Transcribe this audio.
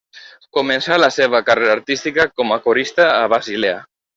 Començà la seva carrera artística com a corista a Basilea.